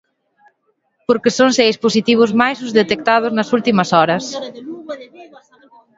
Porque son seis positivos máis os detectados nas últimas horas.